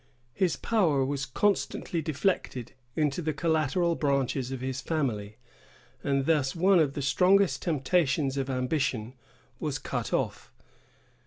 His power was constantly deflected into the collateral branches of his family; and thus one of the strongest temptations of ambition was cut off.